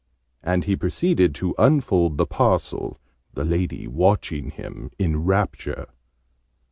And he proceeded to unfold the parcel, the lady watching him in rapture.